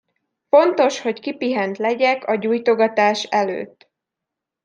Fontos, hogy kipihent legyek a gyújtogatás előtt.